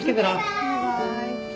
バイバーイ。